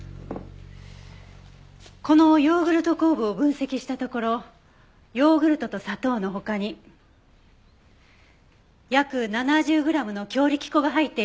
このヨーグルト酵母を分析したところヨーグルトと砂糖の他に約７０グラムの強力粉が入っている事がわかりました。